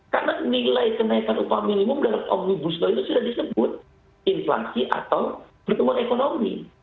karena nilai kenaikan upah minimum dalam omnibus law itu sudah disebut inflasi atau pertumbuhan ekonomi